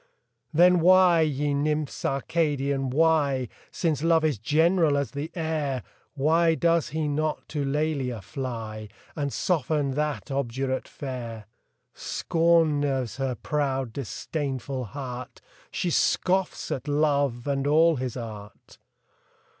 THE DREAM OF LOVE. 71 Then why, ye nymphs Arcadian, why Since Love is general as the air Why does he not to Lelia fly, And soften that obdurate fair? Scorn nerves her proud, disdainful heart ! She scoffs at Love and all his art